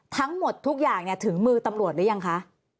ทั้งหมดทุกอย่างถึงมือตำรวจหรือยังคะ